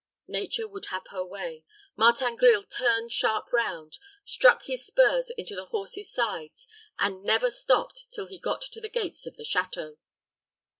Nature would have her way; Martin Grille turned sharp round, struck his spurs into the horse's sides, and never stopped till he got to the gates of the château.